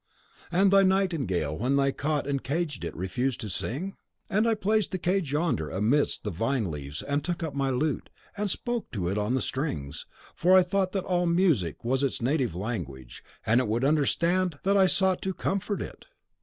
And thy nightingale, when they caught and caged it, refused to sing?' "'And I placed the cage yonder, amidst the vine leaves, and took up my lute, and spoke to it on the strings; for I thought that all music was its native language, and it would understand that I sought to comfort it.